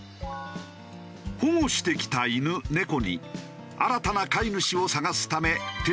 保護してきた犬猫に新たな飼い主を探すため。